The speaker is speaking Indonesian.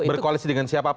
berkoalisi dengan siapa